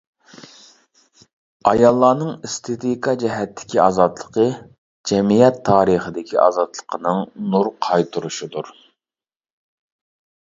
ئاياللارنىڭ ئېستېتىكا جەھەتتىكى ئازادلىقى جەمئىيەت تارىخىدىكى ئازادلىقنىڭ نۇر قايتۇرۇشىدۇر.